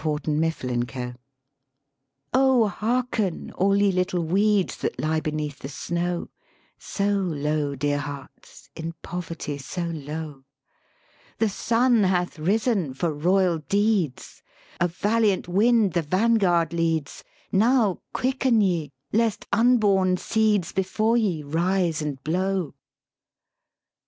127 THE SPEAKING VOICE CANDLEMAS 1 " O hearken, all ye little weeds That lie beneath the snow, (So low, dear hearts, in poverty so low!) The sun hath risen for royal deeds, A valiant wind the vanguard leads; Now quicken ye, lest unborn seeds Before ye rise and blow.